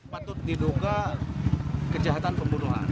patut diduga kejahatan pembunuhan